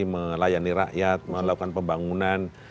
melayani rakyat melakukan pembangunan